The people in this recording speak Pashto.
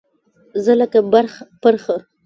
زه لکه پرخه